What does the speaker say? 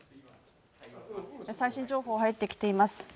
最新情報入ってきています